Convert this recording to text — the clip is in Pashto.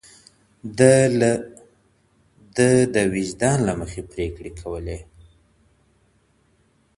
ده د وجدان له مخې پرېکړې کولې.